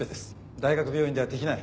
大学病院ではできない。